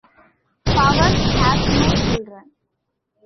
Powers has no children.